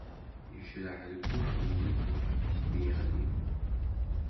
Yejreḥ deg ufud mi yeɣli.